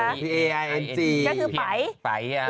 ก็คือไปร์